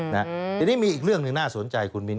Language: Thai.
ทีนี้มีอีกเรื่องหนึ่งน่าสนใจคุณมิ้น